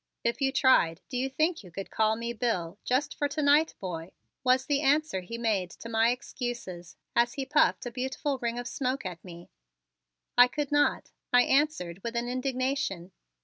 "If you tried, do you think you could call me Bill, just for to night, boy?" was the answer he made to my excuses as he puffed a beautiful ring of smoke at me. "I could not," I answered with an indignation.